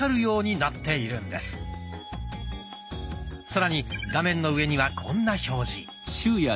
さらに画面の上にはこんな表示。